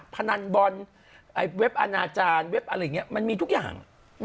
พนันบอลเว็บอาณาจารย์เว็บอะไรอย่างนี้มันมีทุกอย่าง